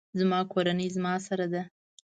زما کورنۍ زما سره ده